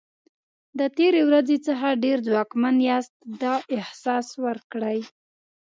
د تېرې ورځې څخه ډېر ځواکمن یاست دا احساس ورکړئ.